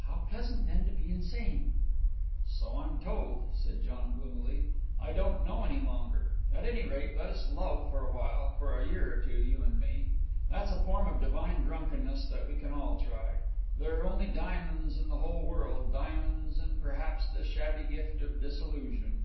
"How pleasant then to be insane!" "So I'm told," said John gloomily. "I don't know any longer. At any rate, let us love for a while, for a year or so, you and me. That's a form of divine drunkenness that we can all try. There are only diamonds in the whole world, diamonds and perhaps the shabby gift of disillusion.